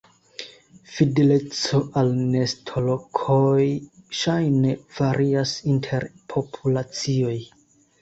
Fideleco al nestolokoj ŝajne varias inter populacioj.